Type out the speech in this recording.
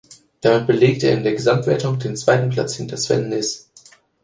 Damit belegt er in der Gesamtwertung den zweiten Platz hinter Sven Nys.